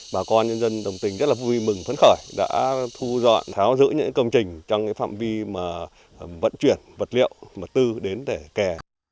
bà con nhân dân đồng tình rất là vui mừng phấn khởi đã thu dọn tháo giữ những công trình trong phạm vi vận chuyển vật liệu vật tư đến để kè